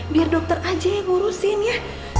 biar dokter aja yang ngurusin ya